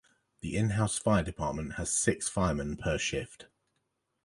The in-house fire department has six firemen per shift.